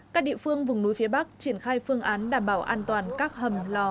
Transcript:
các địa phương vùng núi phía bắc triển khai phương án đảm bảo an toàn các hầm lò